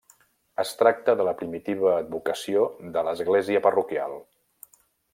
Es tracta de la primitiva advocació de l'església parroquial.